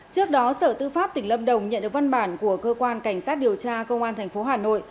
trước đó sở tư pháp tỉnh lâm đồng nhận được văn bản của cơ quan cảnh sát điều tra công an tp hà nội